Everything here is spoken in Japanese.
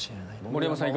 盛山さん